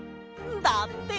だって。